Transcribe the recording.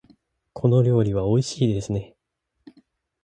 この料理はおいしいですね。